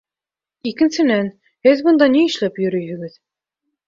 Икенсенән, һеҙ бында ни эшләп йөрөйһөгөҙ?